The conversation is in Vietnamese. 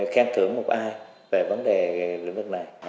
khen thưởng một ai về vấn đề lĩnh vực này